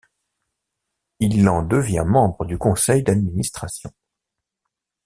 Il en devient membre du conseil d’administration.